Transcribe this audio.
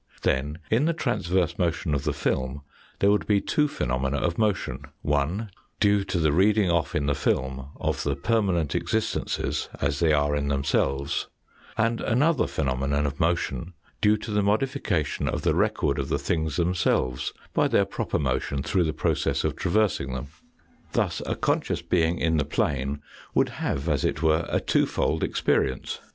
Then, in the transverse motion of the film, there would be two phenomena of motion, one due to the reading off in the film of the permanent existences as they are in themselves, and another phenomenon of motion due to the modification of the record of the things themselves, by their proper motion during the process of traversing them. Thus a conscious being in the plane would have, #s it were, a two fold experience.